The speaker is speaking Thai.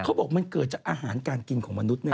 เขาบอกมันเกิดจากอาหารการกินของมนุษย์